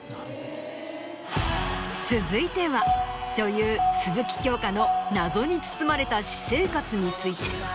続いては女優鈴木京香の謎に包まれた私生活について。